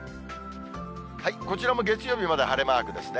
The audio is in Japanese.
こちらも月曜日まで晴れマークですね。